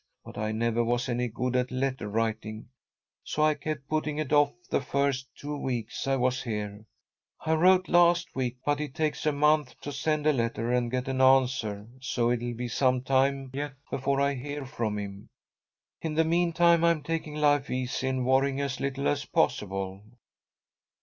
But I never was any good at letter writing, so I kept putting it off the first two weeks I was here. I wrote last week, but it takes a month to send a letter and get an answer, so it'll be some time yet before I hear from him. In the meantime, I'm taking life easy, and worrying as little as possible."